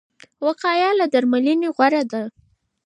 وقايه له درملنې غوره ده.